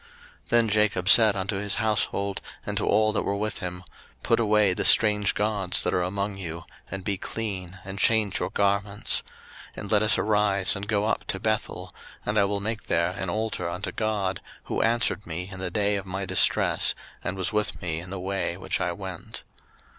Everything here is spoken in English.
01:035:002 Then Jacob said unto his household, and to all that were with him, Put away the strange gods that are among you, and be clean, and change your garments: 01:035:003 And let us arise, and go up to Bethel; and I will make there an altar unto God, who answered me in the day of my distress, and was with me in the way which I went.